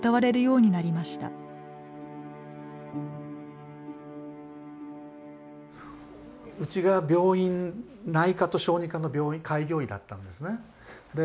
うちが病院内科と小児科の開業医だったんですね。